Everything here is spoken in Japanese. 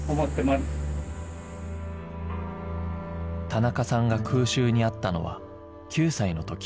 田中さんが空襲に遭ったのは９歳の時